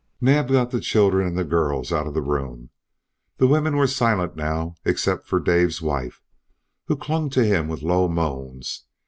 Naab got the children and the girls out of the room. The women were silent now, except Dave's wife, who clung to him with low moans.